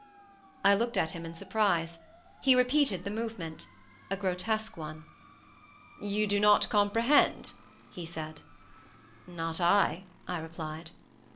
I looked at him in surprise. He repeated the movement—a grotesque one. "You do not comprehend?" he said. "Not I," I replied.